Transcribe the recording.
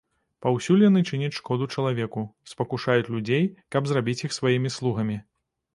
Паўсюль яны чыняць шкоду чалавеку, спакушаюць людзей, каб зрабіць іх сваімі слугамі.